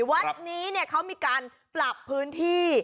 วัดนี้เขามีการปรับพื้นที่